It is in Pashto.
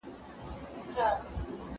که وخت وي، ليکنې کوم.